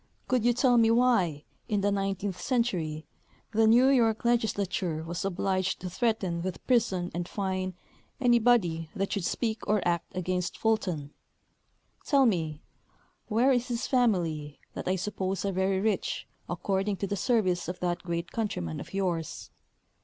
Could you tell me why, in the nineteenth century, the New York legislature was 182 V. M. Concas — The Caravels of Columbus. obliged to threaten with prison and fine ani' body that should speak or act against Fulton ? Tell me, where is his family, that I suppose are very rich, according to the service of that great countryman of yours?